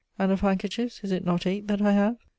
"And of handkerchiefs, is it not eight that I have?"